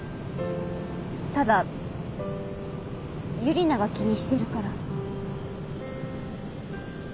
ただユリナが気にしてるから。